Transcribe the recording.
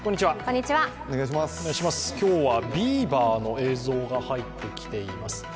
今日はビーバーの映像が入ってきています。